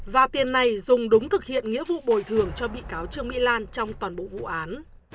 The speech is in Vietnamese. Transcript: và tiền này dùng đúng thực hiện nghĩa vụ bồi thường cho bị cáo trương mỹ lan trong toàn bộ vụ án